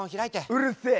うるせえ。